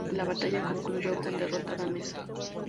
La batalla concluyó con derrota danesa.